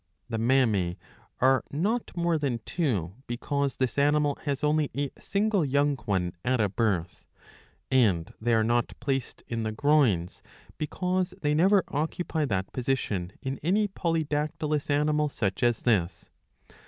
The mammae are not more than two, because this animal has only a single young one at a birth ; and they are not placed in the groins, because they never occupy that position in any polydactylous animal such as this.